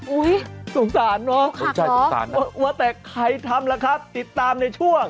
สงสารเนอะสงสารว่าแต่ใครทำล่ะครับติดตามในช่วง